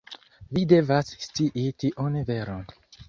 Vi devas scii tiun veron.